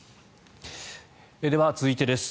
では続いてです。